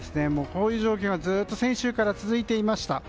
こういう状況が、ずっと先週から続いていました。